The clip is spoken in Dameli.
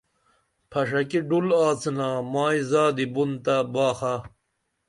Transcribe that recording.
پھݜکی ڈُل آڅِنا مائی زادی بُن تہ باخہ